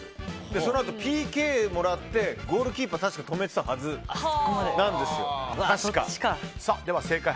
そのあとＰＫをもらってゴールキーパーが止めていたはずなんです。